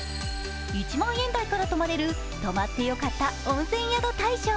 １万円台から泊まれる、泊まって良かった温泉宿大賞。